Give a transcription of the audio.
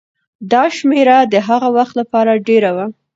دا شمېره د هغه وخت لپاره ډېره وه.